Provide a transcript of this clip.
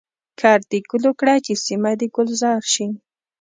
کرد د ګلو کړه چي سیمه د ګلزار شي.